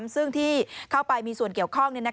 ซึ่งที่เข้าไปมีส่วนเกี่ยวข้อง